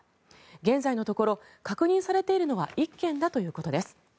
現在のところ確認されているのは１件だということです。